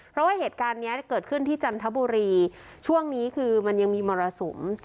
เพราะว่าเหตุการณ์นี้เกิดขึ้นที่จันทบุรีช่วงนี้คือมันยังมีมรสุม